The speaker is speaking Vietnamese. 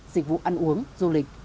dịch vụ ăn uống du lịch